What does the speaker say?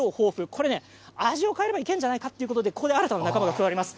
これね、味を変えればいけるんじゃないかと新たな仲間が加わります。